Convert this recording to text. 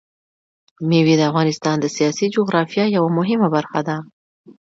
مېوې د افغانستان د سیاسي جغرافیه یوه مهمه برخه ده.